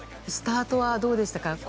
スタートはどうでしたか？